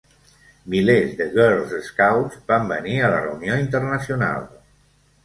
Milers de Girl Scouts van venir a la reunió internacional.